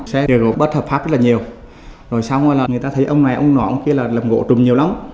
xe gỗ bất hợp pháp rất là nhiều rồi xong rồi là người ta thấy ông này ông nọ ông kia làm gỗ trùm nhiều lắm